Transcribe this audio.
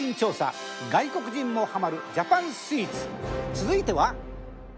続いては。